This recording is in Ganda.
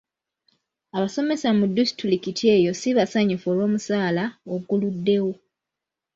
Abasomesa mu disitulikiti eyo ssi basanyufu olw'omusaala oguluddewo.